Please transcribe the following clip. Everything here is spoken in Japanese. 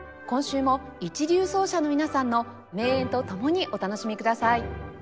今週も一流奏者の皆さんの名演と共にお楽しみください。